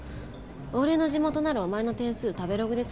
「俺の地元ならお前の点数食べログで３．２」とか。